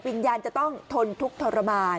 วิญญาณจะต้องทนทุกข์ทรมาน